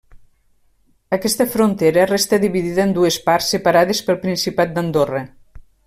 Aquesta frontera resta dividida en dues parts separades pel Principat d'Andorra.